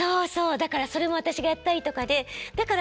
だからそれも私がやったりとかでだから。